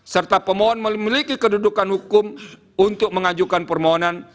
serta pemohon memiliki kedudukan hukum untuk mengajukan permohonan